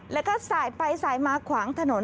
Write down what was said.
แล้วก็สายไปสายมาขวางถนน